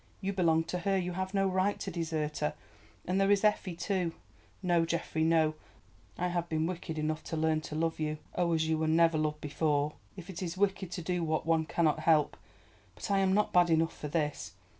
You belong to her, you have no right to desert her. And there is Effie too. No, Geoffrey, no, I have been wicked enough to learn to love you—oh, as you were never loved before, if it is wicked to do what one cannot help—but I am not bad enough for this.